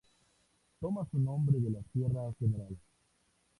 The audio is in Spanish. Toma su nombre de la sierra Geral.